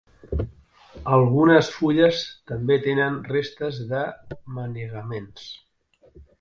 Algunes fulles també tenen restes de manegaments.